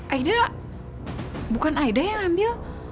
aida bukan aida yang ambil